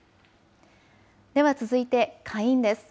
では続いて下院です。